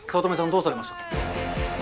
どうされましたか？